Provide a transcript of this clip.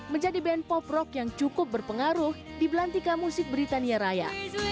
menjadi band pop rock yang cukup berpengaruh di belantika musik britania raya